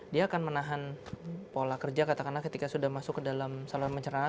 dia akan menahan pola kerja katakanlah ketika sudah masuk ke dalam saluran pencerahan